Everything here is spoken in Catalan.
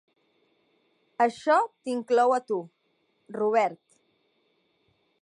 Això t'inclou a tu, Robert.